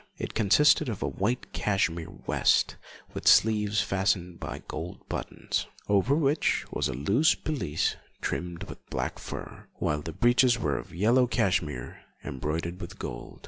It consisted of a white cashmere vest with sleeves fastened by gold buttons, over which was a loose pelisse, trimmed with black fur, while the breeches were of yellow cashmere embroidered with gold.